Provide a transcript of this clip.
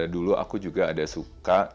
dulu aku juga ada suka